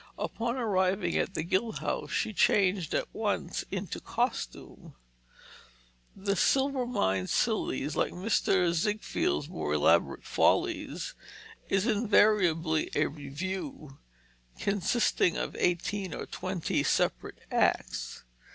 Upon arriving at the Guild House, she changed at once into costume. The Silvermine Sillies, like Mr. Ziegfield's more elaborate Follies, is invariably a revue, consisting of eighteen or twenty separate acts.